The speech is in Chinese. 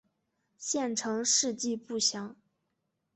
县成事迹不详。